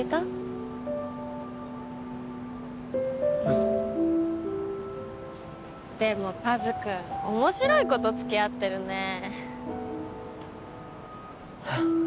うんでも和くんおもしろい子とつきあってるねえっ？